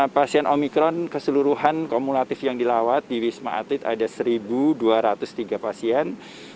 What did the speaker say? pasien omikron keseluruhan kumulatif yang dilawat di wisma atlet ada satu dua ratus tiga pasien